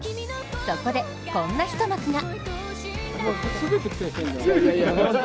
そこで、こんな一幕が。